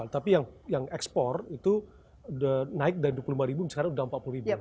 tapi yang ekspor itu naik dari dua puluh lima sekarang sudah empat puluh ribu